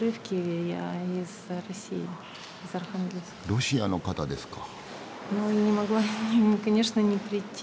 ロシアの方ですか。